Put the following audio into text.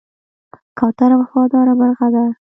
کوتره وفاداره مرغه ده.